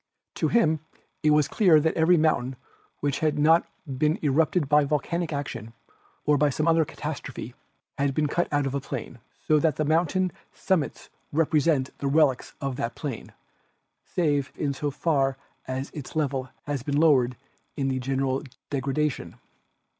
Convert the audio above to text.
To him it was clear that every mountain which had not been erupted by volcanic action or some other local catas trophe, had been cut out of a plain, so that the mountain 66 MODERN DEVELOPMENT 67 summits represent the relics of that plain, save in so far as its level has been lowered in the general degradation.